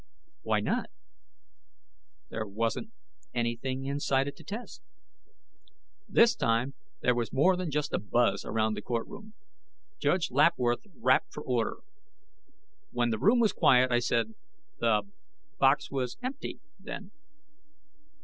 "Why not?" "There wasn't anything inside it to test." This time, there was more than just a buzz around the courtroom. Judge Lapworth rapped for order. When the room was quiet, I said: "The box was empty, then?"